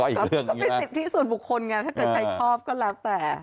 ไม่ติดที่ส่วนบุคคลไงถ้าเจ้าใครชอบก็แล้วแต่